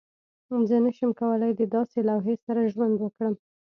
زه نشم کولی د داسې لوحې سره ژوند وکړم